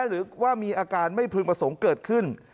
หรือว่ามีอาการไม่พึงประสงค์เกิดขึ้น